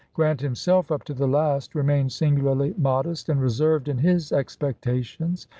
Grant, himself, up to the last, remained singularly modest and reserved in his expectations.